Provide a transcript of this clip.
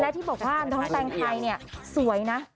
และที่บอกว่าน้องแตงไทยเนี่ยสวยนะ